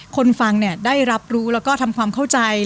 คนฟังได้รับรู้และทำความเข้าใจ